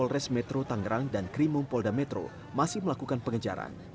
polres metro tangerang dan krimum polda metro masih melakukan pengejaran